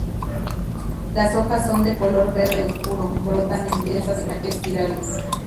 Las hojas son de color verde oscuro, brotan en densas espirales.